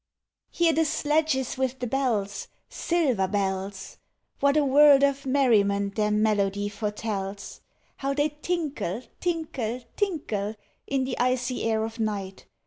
Hear the sledges with the bells Silver bells! What a world of merriment their melody foretells! How they tinkle, tinkle, tinkle, In the icy air of night!